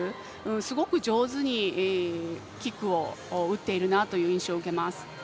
すごく上手にキックを打っているなという印象を受けます。